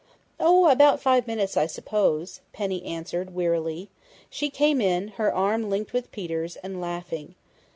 "Oh, about five minutes, I suppose," Penny answered wearily. "She came in, her arm linked with Peter's, and laughing.